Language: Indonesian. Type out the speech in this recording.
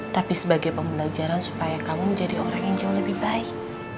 tapi sebagai pembelajaran supaya kamu menjadi orang yang jauh lebih baik